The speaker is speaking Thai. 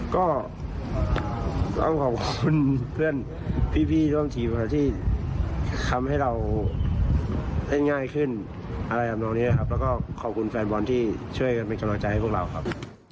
ก็ต้องขอขอบคุณเพื่อนพี่ร่วมทีมที่ทำให้เราได้ง่ายขึ้นอะไรทำนองนี้ครับแล้วก็ขอบคุณแฟนบอลที่ช่วยกันเป็นกำลังใจให้พวกเราครับ